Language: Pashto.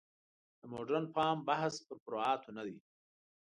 د مډرن فهم بحث پر فروعاتو نه دی.